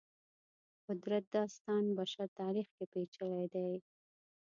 قدرت داستان بشر تاریخ کې پېچلي دی.